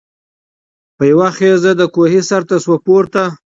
په یوه خېز د کوهي سرته سو پورته